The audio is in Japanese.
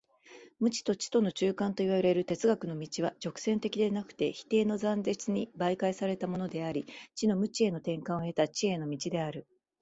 無知と知との中間といわれる哲学の道は直線的でなくて否定の断絶に媒介されたものであり、知の無知への転換を経た知への道である。